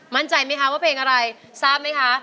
มั่นใจไหมคะว่าเพลงอะไรทราบไหมคะ